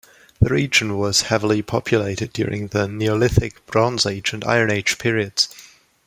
The region was heavily populated during the Neolithic, Bronze Age and Iron Age periods.